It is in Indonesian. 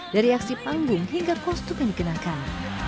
dari aksi panggung hingga konstruk yang dikenalkan